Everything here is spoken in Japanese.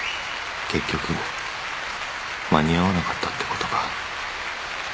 結局間に合わなかったってことか